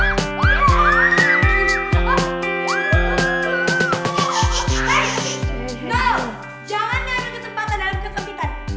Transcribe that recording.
jangan nyari ketempatan dalam ketepikan